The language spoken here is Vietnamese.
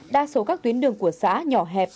đa số các tuyến đường của xã nhỏ hẹp